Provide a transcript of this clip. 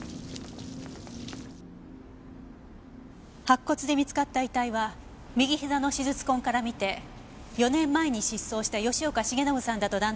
白骨で見つかった遺体は右膝の手術痕からみて４年前に失踪した吉岡繁信さんだと断定出来ました。